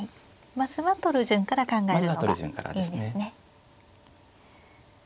まずは取る順から考えるのがいいですね。